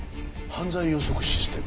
犯罪予測システム？